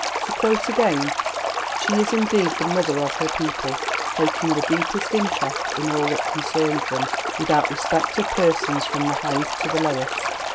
To quote again: "She is, indeed, the Mother of her People, taking the deepest interest in all that concerns them, without respect of persons, from the highest to the lowest."